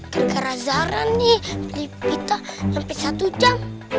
gara gara zara nih beli kita sampai satu jam